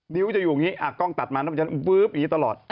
นิ้วจะอยู่อย่างนี้อ่ะกล้องตัดมาต้องเป็นแบบนี้ตลอด